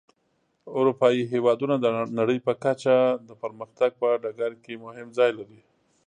اروپایي هېوادونه د نړۍ په کچه د پرمختګ په ډګر کې مهم ځای لري.